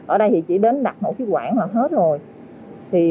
ở đây thì chỉ đến đặt một chiếc quảng là hết rồi